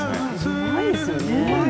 うまいですよね。